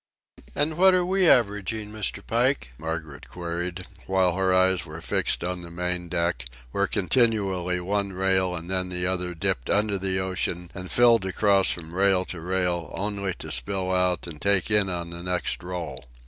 "And what are we averaging, Mr. Pike?" Margaret queried, while her eyes were fixed on the main deck, where continually one rail and then the other dipped under the ocean and filled across from rail to rail, only to spill out and take in on the next roll.